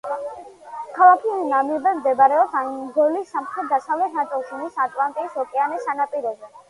ქალაქი ნამიბე მდებარეობს ანგოლის სამხრეთ-დასავლეთ ნაწილში, მის ატლანტის ოკეანის სანაპიროზე.